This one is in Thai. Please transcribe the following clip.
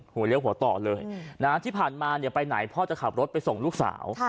หนาที่ผ่านมาไปไหนพ่อจะขับรถไปส่งลูกสาว